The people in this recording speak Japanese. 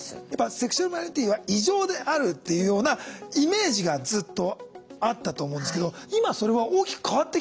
セクシュアルマイノリティは異常であるっていうようなイメージがずっとあったと思うんですけど今それは大きく変わってきてるんじゃないかなと。